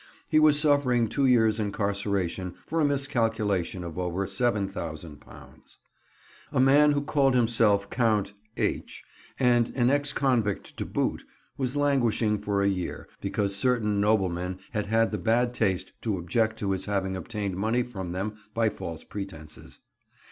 He was suffering two years' incarceration for a miscalculation of over £7000. A man who called himself Count H—, and an ex convict to boot, was languishing for a year, because certain noblemen had had the bad taste to object to his having obtained money from them by false pretences.